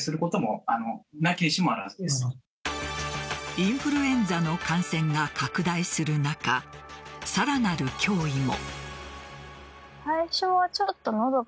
インフルエンザの感染が拡大する中さらなる脅威も。